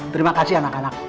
terima kasih anak anak